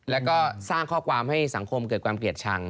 แล้วก็สร้างข้อความให้สังคมเกิดความเกลียดชัง